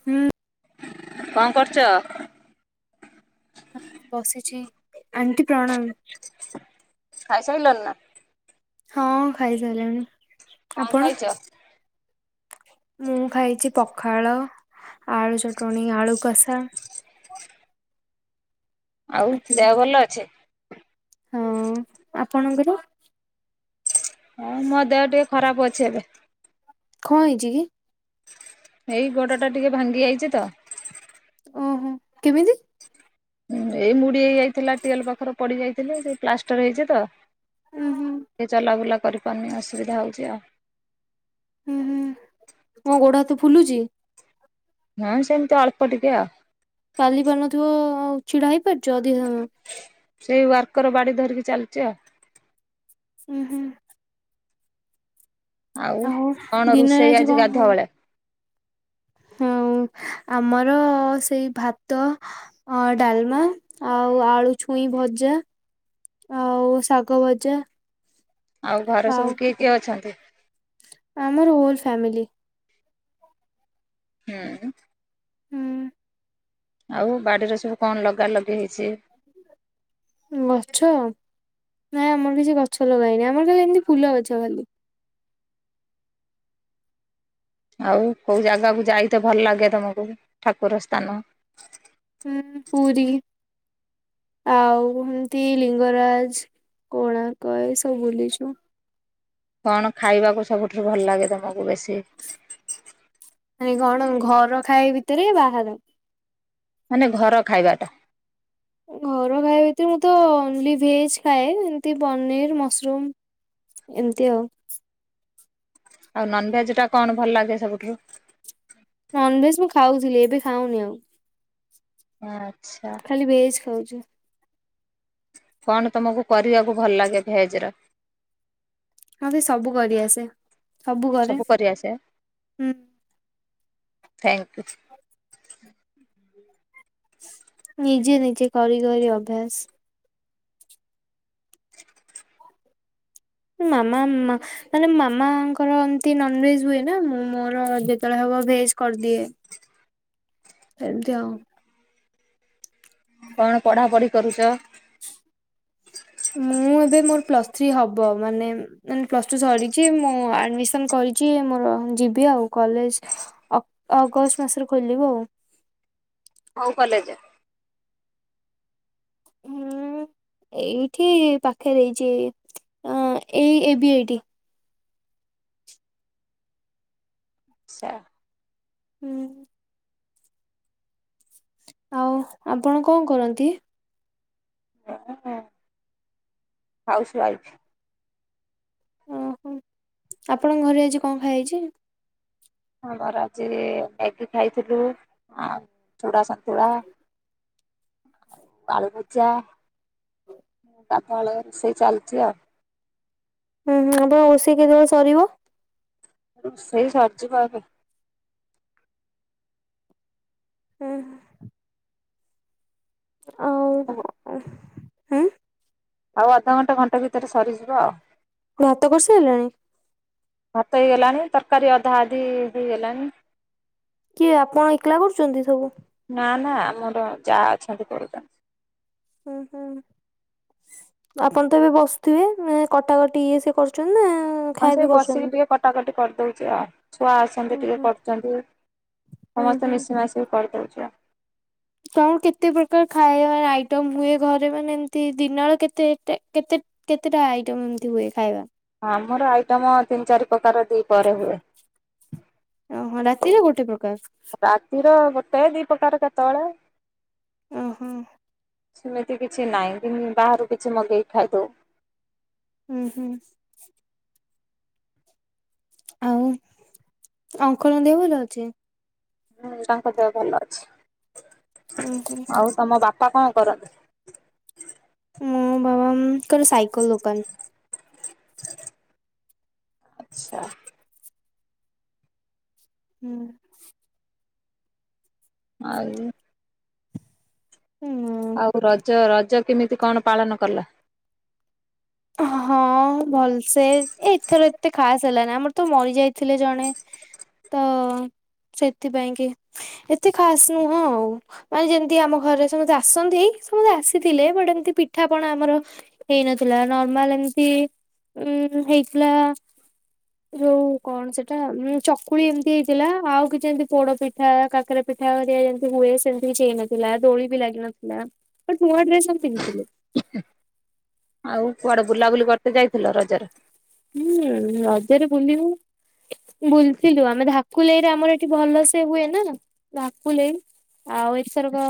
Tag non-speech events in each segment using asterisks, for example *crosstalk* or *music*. ହୁଁ। କଣ କରୁଛ? ବସିଛି ଆଣ୍ଟି ପ୍ରଣାମ। ଖାଇ ସାଇଲଣି ନା? ହଁ ଖାଇ ସାଇଲିଣି। କଣ ଖାଇଛ? ମୁଁ ଖାଇଛି ପଖାଳ ଆଳୁ ଚ ଣି ଆଳୁ କସା। ଆଉ ଏତିକି ଦେହ ଭଲ ଅଛି? ହଁ। *inaudible* ଆପଣଙ୍କର? ହଁ ମୋ ଦେହ ଟିକେ ଖରାପ ଅଛି ଏବେ। କଣ ହେଇଛି କି? ଏଇ ଗୋଡ ଟା ଟିକେ ଭାଙ୍ଗି ଯାଇଛି ତ। ଓହୋ କେମିତି? ଏଇ ମୁଡି ହେଇ ଯାଇଥିଲା ଟିଅଲ ପାଖରେ ପଡି ଯାଇଥିଲେ ସେ ପ୍ଲାଷ୍ଟର ହେଇଛି ତ। ଉଁ ହୁଁ ସେ ଚଲା ବୁଲା କରିପାରୁନି ଅସୁବିଧା ହେଉଛି ଆଉ। ହୁଁ ହୁଁ ମୋ କ ଗୋଡ ହାତ ଫୁଲୁଛି? ନାଁ ସେମିତି ଅଳପ ଟିକେ ଆଉ। ଚାଲି ପାରୁନଥିବ ହଉ ଛିଡା ହେଇ ପାରୁଛ ଅଧିକ ସମ ସେଇ ୱାର୍କର ବାଡି ଧରିକି ଚାଲଛି ଆଉ। ଉଁ ହୁଁ। ଆଉ କଣ ଦିନରେ ରୋଷେଇ ଆଜି କଣ ଗାଧୁଆ ଖାଇଲ? ବେଳେ? ହଁ ଆମର ସେଇ ଭାତ ଡାଲମା ଆଉ ଆଳୁ ଛୁଇଁ ଭଜା ଆଉ ଶାଗ ଭଜା। ଆଉ ଘରେ ସବୁ କିଏ କିଏ ଅଛନ୍ତି? ଆମର ହୋଲ ଫ୍ୟାମିଲି ହୁଁ। ହୁଁ। ଆଉ ବାଡ଼ିରେ ସବୁ କଣ ଲଗା ଲଗି ହେଇଛି? ଗଛ ନାଇଁ ଆମର କିଛି ଗଛ ଲଗାଇନି ଆମର ଖାଲି ଏମିତି ଫୁଲ ଗଛ ଖାଲି। ଆଉ କୋଉ ଜାଗାକୁ ଯାଇ ତ ଭଲ ଲାଗେ ତମକୁ ଠାକୁର ସ୍ଥାନ? ହୁଁ ପୁରୀ ଆଉ ଏମତି ଲିଙ୍ଗରାଜ କୋଣାର୍କ ଏଇ ସବୁ ବୁଲିଛୁ। କଣ ଖାଇବାକୁ ସବୁଠାରୁ ଭଲ ଲାଗେ ତମକୁ ବେଶୀ? *inaudible* ନାଇ କଣ ଘର ଖାଇ ଭିତରେ ବାହାର? ମାନେ ଘର ଖାଇବାଟା। ଘର ଖାଇବା ଭିତରେ ମୁଁ ତ ଓନଲି ଭେଜ ଖାଏ ଏମିତି ପନିର, ମସରୁମ ଏମିତି ଆଉ। ଆଉ ନନ ଭେଜ ଟା କଣ ଭଲ ଲାଗେ ସବୁଠୁ? ନନଭେଜ ମୁଁ ଖାଉଥିଲି ଏବେ ଖାଉନି ଆଉ। ଆଚ୍ଛା। ଯେ କଣ ତମକୁ କରିବାକୁ ଭଲ ଲାଗେ ଭେଜ ର ହଁ ସେ ସବୁ କରିଆସେ ସବୁ କରେ କରି ଆସେ ହୁଁ ଥ୍ୟାଙ୍କ ୟୁ ନିଜେ ନିଜେ କରି କରି ଅଭ୍ୟାସ ମାମା ମାନେ ମାମାଙ୍କର ଏମତି ନନଭେଜ ହୁଏ ନା ମୁଁ ମୋର ଯେତେବେଳେ ହବ ଭେଜ କରିଦିଏ। ସେମିତି ଆଉ କଣ ପଢାପଢି କରୁଛ? ମୁଁ ଏବେ ମୋର ପ୍ଲସ ଥ୍ରୀ ହବ ମାନେ ମେ ପ୍ଲସ ଟୁ ସରିଛି ମୁଁ ଆଡମିସନ କରିଛି ମୋର ଯିବି ଆଉ କଲେଜ ଅଗଷ୍ଟ ମାସରେ ଖୋଲିବ ଆଉ ହଉ କଲେଜ ହୁଁ ଏଇଠି ପାଖରେ ହେଇଛି ଏଇ ଏ ବି ଏଇଠି ଆଚ୍ଛା। ହୁଁ। ଆଉ ଆପଣ କଣ କରନ୍ତି? *unintelligible* ହାଉସ୍ୱାଇଫ୍। ଓହୋ ଆପଣଙ୍କ ଘରେ ଆଜି କଣ ଖାଇଇଛି? ଆମର ଆଜି ମ୍ୟାଗି ଖାଇଥିଲୁ ଆ ଚୁଡା ସ ତୁଳା ଆଳୁ ଭଜା ତାପ ବଳେ ରୋଷେଇ ଚାଲିଛି ଆଉ। ହୁଁ ହୁଁ ଆପଣ ରୋଷେଇ କେତେବେଳେ ସରିବ। ସେଇ ସଜ ବା ହୁଁ ହୁଁ। ଆ *unintelligible* ହାଁ ଆଉ ଅଧଘଣ୍ଟା ଘଣ୍ଟା ଭିତରେ ସରିଯିବ ଆଉ। ଭାତ କରିସାରିଲାଣି। ଭାତ ହେଇଗଲାଣି ତରକାରୀ ଅଧା ଆଦି ହେ ହେଇଗଲାଣି। କିଏ ଆପଣ ଏକଲା କରୁଛନ୍ତି ସବୁ। ନା ନା ଆମର ଯା ଅଛନ୍ତି କରଛନ୍ତି। ହୁଁ ହୁଁ ଆପଣ ତ ଏବେ ବସୁଥିବେ କଟାକଟି ଇଏ ସେ କରୁଛନ୍ତି ନା ହ ଖାଇବା ସେ ପିଇ ବସିକି କରୁଛନ୍ତି। ଟିକେ କଟାକଟି କରିଦଉଛି ଆଉ ଛୁଆ ଆସନ୍ତି ଉଁ ଟିକେ ହୁଁ କରୁଛନ୍ତି ଉଁ ସମସ୍ତେ ମିଶି ମାଶିକି କରିଦଉଚୁ କଣ କେତେ ପ୍ରକାର ଖାଇବ ଆଇଟମ ହୁଏ ଘରେ ମାନେ ଏମତି ଦିନର କେତେ କେତେ କେତେଟା ଆଇଟମ ଏମିତି ହୁଏ ଖାଇବା। ଆମର ଆଇଟମ ତିନି ଚାରି ପ୍ରକାର ଦି ପରେ ହୁଏ। ଓହୋ ରାତିରେ ଗୋଟେ ପ୍ରକାର। ରାତିର ଗୋଟେ ଦି ପ୍ରକାର କେତେବେଳେ। ଉଁ ହୁଁ। ସେମିତି କିଛି ନହିଁ ବାହାରୁ କିଛି ମଗେଇ ଖାଇଦଉ। ହୁଁ ହୁଁ। ଆଉ ଅଙ୍କଲ ଦେହ ଭଲ ଅଛି। ହୁଁ ତାଙ୍କ ଦେହ ଭଲ ଅଛି। ଉଁ ହୁଁ ଆଉ ତମ ବା ପା କଣ କରନ୍ତି? ମୁଁ ବାବା ଙ୍କର ସାଇକଲ ଦୋକାନ। ଆଚ୍ଛା। ହୁଁ। ଆଉ। ହୁଁ। ଆଉ ରଜ ରଜ କେମିତି କଣ ପାଳନ କଲ। ହଁ ଭଲସେ ଏଥର। ଏତେ ଖାସ ହେଲାନି ଆମର ତ ମରିଯାଇଥିଲେ ଜଣେ ତ ସେଥିପାଇଁ କି ଏତେ ଖାସ ନୁହଁ ଆଉ ମାନେ ଯେମିତି ଆମ ଘରେରେ ସମସ୍ତେ ଆସନ୍ତି ସମସ୍ତେ ଆସିଥିଲେ ବଟ ଏମତି ପିଠାପଣା ଆମର ହେଇନଥିଲା। ନର୍ମାଲ ଏମତି ଉ ହେଇଥିଲା ଯୋଉ କଣ ସେଟା ଚକୁଳି ଏମତି ହେଇଥିଲା ଆଉ କିଛି ଏମିତି ପୋଡ ପିଠା କାକରା ପିଠାଆ ଯେମିତି ହୁଏ ସେମିତି କିଛି ହେଇନଥିଲା ଦୋଳି ବି ଲାଗିନଥିଲା ବଟ ନୂଆ ଡ୍ରେସ ସବୁ ପିନ୍ଧିଥିଲେ। ଆଉ କୁଆଡେ ବୁଲାବୁଲି *inaudible* ଯାଇଥିଲ ରଜରେ। ହୁଁ ରଜରେ ବୁଲିବୁ ବୁଲିଥିଲୁ ଆମେ ଧାକୁଲେଇରେ ଆମର ଏଠି ଭଲ ସେ ହୁଏ ନା ଧାକୁଲେଇ ଆଉ ଏଥରକ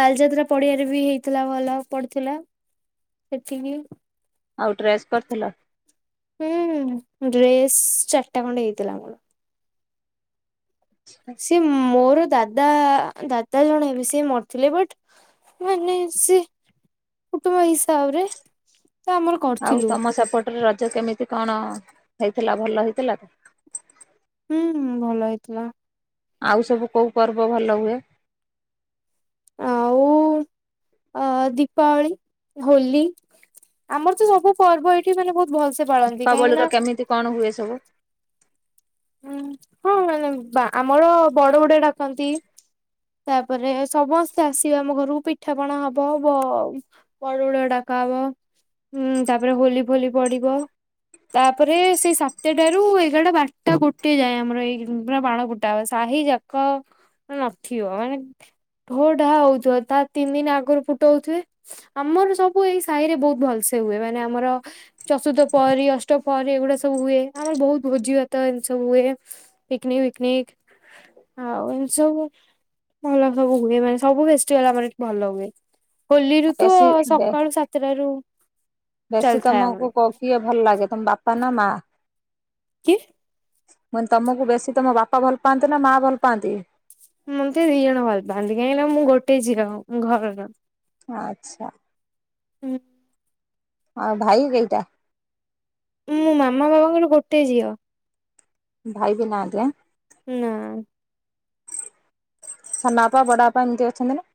ବାଲିଯାତ୍ରା ପଡିଆାରେ ବି ହେଇଥିଲା ଭଲ ପଡିଥିଲା ସେଠିକି। ଆଉ ଡ୍ରେସ୍ କରିଥିଲ। ହୁଁ ଡ୍ରେସ୍ ଚାରିଟା ଖଣ୍ଡେ ହେଇଥିଲା ମୋର। ସି ମୋର ଦାଦା। ଦା ଦାଦା ଜଣେ ହେବେ ସେ ମରିଥିଲେ ବଟ ମାନେ ସେ କୁଟୁମ୍ବ ହିସାବରେ। ତ ଆମର ଆଉ କରିଥିଲୁ ତମ ସେପଟରେ ରଜ କେମିତି କଣ। ହେଇଥିଲା ଭଲ ହେଇଥିଲା ତ ହୁଁ ଭଲ ହେଇଥିଲା। ଆଉ ସବୁ କୋଉ ପର୍ବ ଭଲ ହୁଏ। ଆ ଦୀପାବଳି ହୋଲି ଆମର ତ ସବୁ ପର୍ବ ଏଇଠି ମାନେ ବହୁତ ଭଲ। ଦୀପାବଳି ର କେମିତି କଣ ହୁଏ? ସବୁ। ହଁ ହଁ ଆମର ବଡ ବଡୁଆ ଡାକନ୍ତି ତାପରେ ସମସ୍ତେ ଆସିବେ ଆମ ଘରକୁ ପିଠାପଣା ହବ ବଡ ବଡୁଆ ଡାକାହବ ତାପରେ ହୋଲି ଫୋଲି ପଡିବ ତାପରେ ସେଇ ସତଟାରୁ ଏଗାରଟା। ଟା ଗୋଟେ ଯାଏ ଆମର ଏଇ ପୁରା ବାଣ ଫୁଟା ହୁଏ ସାହି ଯାକ ନଥିବ ମାନେ ଢୋ ଢା ହଉଥିବ ତା ତିନି ଦିନ ଆଗରୁ ଫୁଟଉଥିବେ ଆମର ସବୁ ଏଇ ସାହି ରେ ବହୁତ ଭଲସେ ହୁଏ ମାନେ ଆମର ଚତୁର୍ଥ ପହରୀ ଅଷ୍ଟ ପହରୀ ଏଗୁଡା ସବୁ ହୁଏ ଆମର ବହୁତ ଭୋଜି। ତ ଏମିତି ସବୁ ହୁଏ ପିକନିକ ଫିକନିକ ଆଉ ଏମତି ସବୁ ଭଲ ସବୁ ହୁଏ ମାନେ ସବୁ ଫେଷ୍ଟିଭାଲ ଆମର ଏଠି ଭଲ ହୁଏ। ହୋଲି ରୁ ତ ବେଶୀ ବେ ସକାଳୁ ସାତଟାରୁ। ବେଶୀ ଚାଲିଥାଏ ଆମର। ତମକୁ କ କିଏ ଭଲ ଲାଗେ। ତମ ବାପା ନା ମା। କିଏ? ମାନେ ତମକୁ ବେଶୀ ତମ ବାପା ଭଲ ପାଆନ୍ତି ନା ମା ଭଲ ପାଆନ୍ତି। ମତେ ଦି ଜଣ ଭଲ ପାଆନ୍ତି କାହିଁକି ନା ମୁଁ ଗୋଟେ ଝିଅ ଘର ର। ଆଚ୍ଛା। ହୁଁ। ଆଉ ଭାଇ କେଇଟା। ମୁଁ ମାମା ବାବାଙ୍କର ଗୋଟେ ଝିଅ। ଭାଇ ବି ନାହାନ୍ତି। ନାଁ। ସାନ ବାପା ବଡ ବାପା ଏମିତି ଅଛନ୍ତି ନା।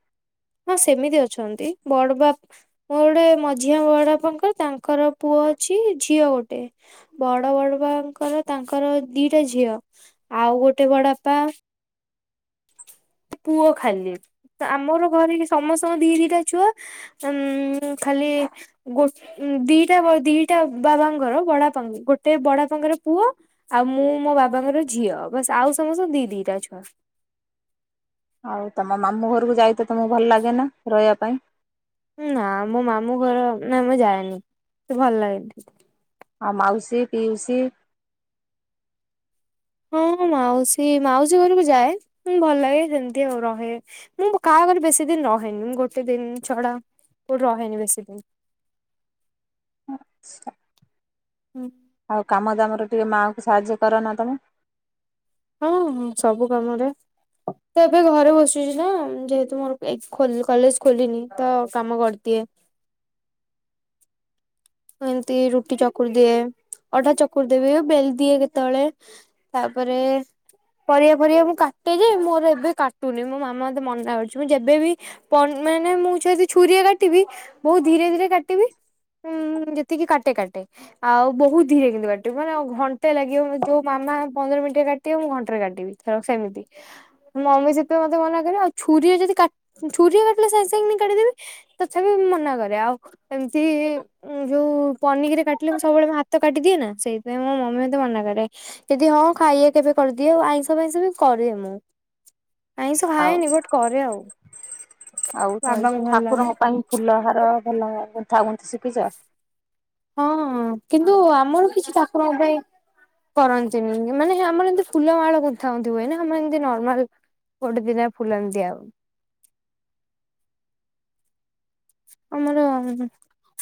ହଁ ସେମିତି ଅଛନ୍ତି ବଡ ବାପ *inaudible* ମଝିଆ ବଡ ବାପାଙ୍କର ତାଙ୍କର ପୁଅ ଅଛି ଝିଅ ଗୋଟେ ବଡ ବଡପାଙ୍କର ତାଙ୍କର ଦିଟା ଝିଅ ଆଉ ଗୋଟେ ବଡ ବାପା। ପୁଅ ଖାଲି ଆମର ଘରେ ସମସ୍ତଙ୍କ ଦି ଦିଟା ଛୁଆ ଉ ଖାଲି ଦିଟା ଦିଟା ବାବାଙ୍କର *inaudible* ଗୋଟେ ବଡପାଙ୍କର ପୁଅ ଆଉ ମୁଁ ମୋ ବାବାଙ୍କର ଝିଅ ବସ ଆଉ ସମସ୍ତଙ୍କ ଦି ଦିଟା ଛୁଆ। ହଉ ତମ ମାମୁ ଘରକୁ ଯାଇ। ତମେ ଭଲ ଲାଗେ ନା ରହିବା। ପାଇଁ। ନା ମୁଁ ମାମୁଁ ଘର ନା ମୁଁ ଯାଏନି ଭଲ ଲାଗେନି। ଆଁ ମାଉସୀ ପିଉସ। ହଁ ମାଉସୀ ମାଉସୀ ଘରକୁ ଯାଏ ମୁଁ ଭଲ ଲାଗେ ସେମିତି ଆଉ ରହେ ମୁଁ କାହାଘରେ ବେଶୀ ଦିନ ରହେନି ମୁ ଗୋଟେ ଦିନ ଛଡା କୋଉଠି ରହେନି ବେଶୀ ଦିନ *inaudible* ହୁଁ। ଆଉ କାମ ଦାମରେ ଟିକେ ମାଆଙ୍କୁ ସାହାଯ୍ୟ କର ନା ତମେ ହଁ ସବୁ କାମରେ ତ ଏବେ ଘରେ ବସୁଛି ନା ଯେହେତୁ ମୋର କଲେଜ ଖୋଲିନି ତ କାମ କରିଦିଏ। ଏମିତି ରୁଟି ଚକୁରି ଦିଏ ଅଟା ଚକୁରି ଦେବି ବେଲ ଦିଏ କେତେବେଳେ ତାପରେ ପରିବା ପରିବା ମୁଁ କାଟେ ଯେ ମୋର ଏବେ କାଟୁନି ମୋ ମାମା ମତେ ମନ କରୁଛି ମୁଁ ଯେବେବି ମାନେ ମୁଁ ସେ ଛୁରୀରେ କାଟିବି ବହୁତ ଧୀରେ ଧୀରେ କାଟିବି। ଯେତିକି କାଟେ କାଟେ ଆଉ ବହୁତ ଧିରେ କିନ୍ତୁ କାଟିବି ମାନେଉ ଘଣ୍ଟେ ଲାଗିବ ଯୋଉ ମାମା ପନ୍ଦର ମିନିଟରେ କାଟିବ ମୁଁ ଘଣ୍ଟ ରେ କାଟିବିର ସେମିତିଁ ମମି ସେପାଇଁ ମତେ ମନା କରେ ଆଉ ଛୁରୀରେ ଯଦି ଛୁରୀରେ କାଟିଲେ ସାଙ୍ଗେ ସାଙ୍ଗେ କାଟିଦେବି ତଥାପି ମୁ ମନା କରେ ଆଉ ଏମିତି ଉଁ ଯୋଉ ପନିରରେ କାଟିଲେ ମୁଁ ସବୁବେଳେ ମୁ ହାତ କାଟିଦିଏ ନା ସେଇଥିପାଇଁ ମୋ ମମି ମତେ ମନା କାଟେ ଯଦି ହଁ ଖାଇବା କେବେ କରିଦିଏ ଆଉ ଆଇଁଷ ଆଇଁଷ ବି କରଏ ମୁଁ ଆାଇଁ ସବୁ ଆଉ ଖାଏନି ଗୋଟେ କରେ ଆଉ ବାବାଙ୍କୁ ଭଲ ଲାଗେ। ର ଭଲ ଘଣ୍ଠ ଘଣ୍ଠୁ ଶ ପଛା। ହଁ କିନ୍ତୁ ଆମର କିଛି ପାାକୁରଙ୍କ ପାଇଁ କରନ୍ତିନି ମାନେ ଆମର ଏମିତି ଫୁଲମାଳ କରିଥାନ୍ତି ହୁଏନା ଆମର ଏମତି ନର୍ମାଲ ଗୋଟେ ଦିନ ଫୁଲ ଏମିତି ଆଉ ଆମର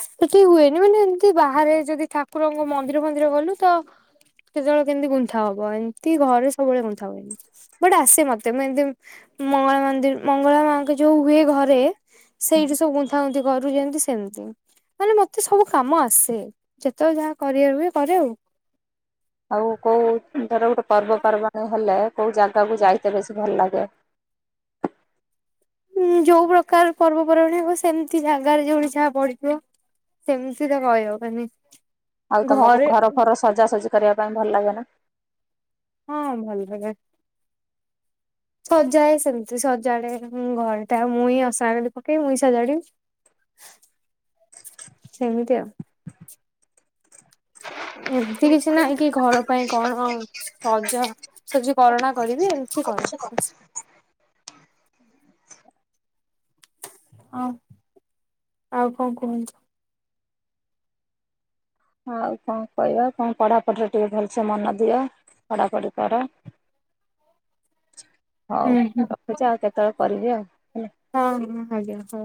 ସେଠି ହୁଏନି ମାନେ ଏମତି ବାହାରେ ଯଦି ଠାକୁରଙ୍କ ମନ୍ଦିର ମନ୍ଦିର ଗଲୁ ତ କେତେବେଳେ କେମିତି ଗୁନ୍ଥା ହବ ଏମିତି ଘରେ ସବୁବେଳେ ଗୁନ୍ଥା ହୁଏନି ବଟ ଆସେ ମତେ ମୁଁ ଏମିତି ମଙ୍ଗଳା ମନ୍ଦିର ମଙ୍ଗଳା ମାଙ୍କ ଯୋଉ ହୁଏ ଘରେ ସେଇଠି ସବୁ ଥାନ୍ତି କରୁ ଯେମିତି ସେମିତି ମାନେ ମତେ ସବୁ କାମ ଆସେ ଯେତେବେଳେ ଯାହା କରିବାକୁ ହଏ କରେ ଆଉ। ଆଉ କୋଉ ତର ଗୋଟେ ପର୍ବପର୍ବାଣିୀ ହେଲେ। କୋଉ ଜାଗାକୁ ଯାଇତେ ବେଶୀ ଭଲ ଲାଗେ। ଯୋଉ ପ୍ରକାର ପର୍ବପର୍ବାଣୀ ହବ ସେମିତି ଜାଗାରେ ଯୋଉଠ ଯାହା ପଡିଥିବ ସେମିତି ତ କହିହବ ମାନ ଆଉ ତମକୁ ଘର ଫର ସଜାସଜ। କରିବା ପାଇଁ ଭଲ ଲାଗେ ନା। ହଁ ଭଲ ଲେ ସଜାଏ ସେମିତି ସଜାଡେ ମୁ ଘର ଟା ମୁଇଁ ଅସଣାଲି ପକେଇ ମୁଇଁ ସଜାଡିବି ସେମିତି ଆଉ ହୁଁ। ଏତି କିଛି ନା କି ଘର ପାଇଁ କଣ ସଜ ସ ଯ କରଣା କରିବି ଏମିତି କରେି ଆଉ ଆଉ କଣ କୁହନ୍ତୁ? ଆଉ କଣ କହିବା କଣ ପଢାପଢିରେ ଟିକେ ଭଲସେ ମନ ଦିଅ ପଢାପଢି କର ହଉ ହୁଁ ହୁଁ ରଖୁଛି ଆଉ କେତେବେଳେ? କରିବେ ଆଉ। ହେଲା। ହଁ ଆଞ ହଁ।